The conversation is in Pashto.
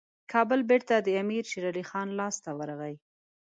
کابل بیرته د امیر شېرعلي خان لاسته ورغی.